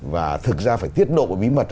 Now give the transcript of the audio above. và thực ra phải tiết độ bí mật